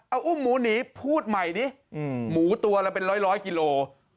เอาอุ้มหมูหนีพูดใหม่ดิหมูตัวละเป็นร้อยกิโล